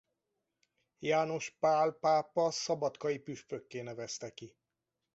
János Pál pápa szabadkai püspökké nevezte ki.